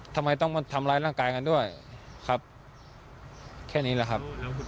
ทำไมต้องมาทำร้ายร่างกายกันด้วยครับแค่นี้แหละครับ